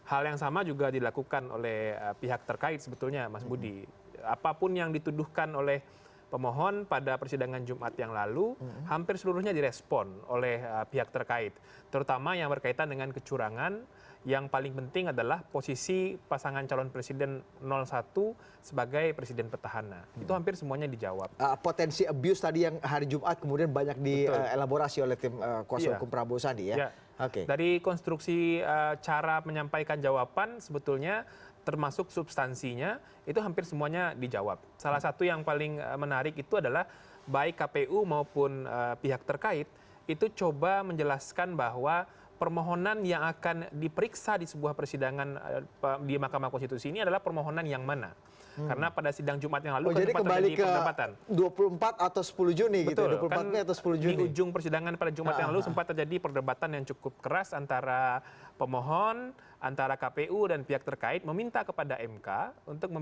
akhirnya kemudian kalau kita lihat pihak yang terkait dalam hal ini atau termohon sendiri kpu dan juga pihak tkn